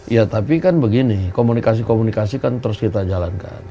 ya tapi kan begini komunikasi komunikasi kan terus kita jalankan